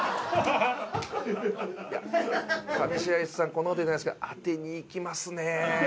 上白石さんこんなこと言いたくないですが当てにいきますね。